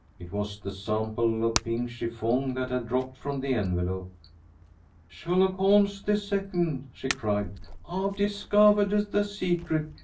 It was the sample of pink chiffon that had dropped from the envelope. "Sherlock Holmes the second!" she cried. "I've discovahed the secret.